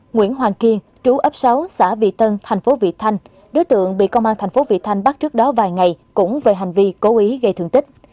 nguyễn hoàng kiên trú ấp sáu xã vị tân thành phố vị thanh đối tượng bị công an thành phố vị thanh bắt trước đó vài ngày cũng về hành vi cố ý gây thương tích